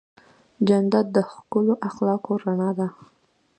جانداد د ښکلو اخلاقو رڼا ده.